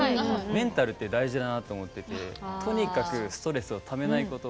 メンタルって大事だなと思っててとにかくストレスをためないこと。